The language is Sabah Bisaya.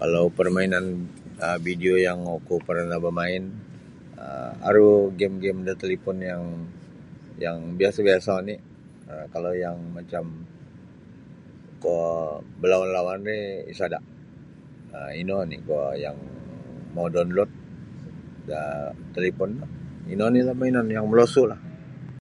Kalau permainan um video yang oku paranah bamain um aru game-game da talipon yang yang biasa'-biasa' oni um kalau yang macam yang kuo balawan-lawan ri isada' ino oni' kuo yang mau download da talipon no ino onilah mainon yang molosu'lah.